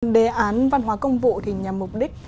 đề án văn hóa công vụ nhằm mục đích